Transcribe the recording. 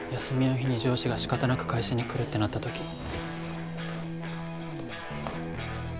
休みの日に上司が仕方なく会社に来るってなったとき。